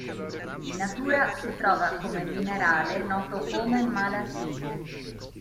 In natura si trova come minerale noto come malachite.